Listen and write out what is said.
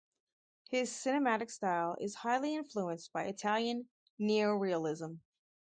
His cinematic style is highly influenced by Italian neorealism.